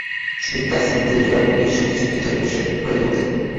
শফিক তার স্যান্ডেল জোড়া বুকের সঙ্গে চেপে ধরে পাশের ঘরে দৌড় দেয়।